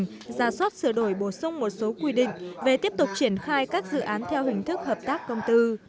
giả soát sửa đổi bổ sung một số quy định về tiếp tục triển khai các dự án theo hình thức hợp tác công tư